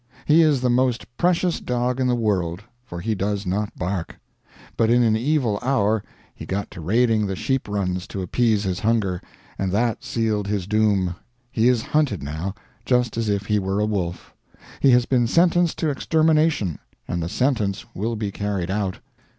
He is the most precious dog in the world, for he does not bark. But in an evil hour he got to raiding the sheep runs to appease his hunger, and that sealed his doom. He is hunted, now, just as if he were a wolf. He has been sentenced to extermination, and the sentence will be carried out.